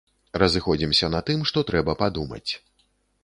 Разыходзімся на тым, што трэба падумаць.